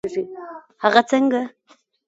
هغه څنګه؟